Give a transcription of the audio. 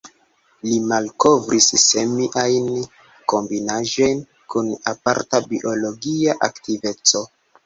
Li malkovris kemiajn kombinaĵojn kun aparta biologia aktiveco.